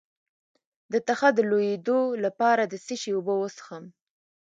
د تخه د لوییدو لپاره د څه شي اوبه وڅښم؟